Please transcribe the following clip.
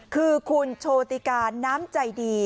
คือคุณโชติการน้ำใจดี